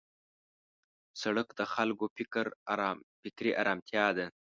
سړک د خلکو فکري آرامتیا ده.